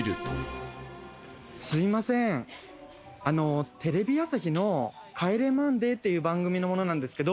すみませんテレビ朝日の『帰れマンデー』っていう番組の者なんですけど。